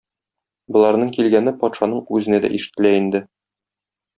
Боларның килгәне патшаның үзенә дә ишетелә инде.